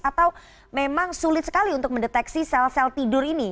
atau memang sulit sekali untuk mendeteksi sel sel tidur ini